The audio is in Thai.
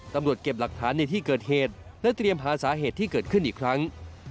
ตำรวจเก็บหลักฐานในที่เกิดเหตุและเตรียมหาสาเหตุที่เกิดขึ้นอีกครั้ง